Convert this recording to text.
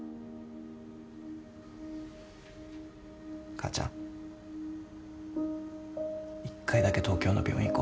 母ちゃん一回だけ東京の病院行こう。